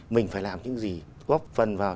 mình phải làm những gì góp phần vào